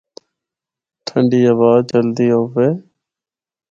ٹھنڈی ہوا چلدی ہُوِّے۔